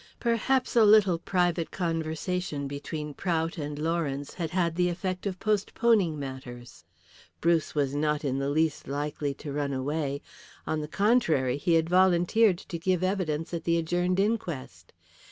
Perhaps a little private conversation between Prout and Lawrence had had the effect of postponing matters. Bruce was not in the least likely to run away; on the contrary, he had volunteered to give evidence at the adjourned inquest.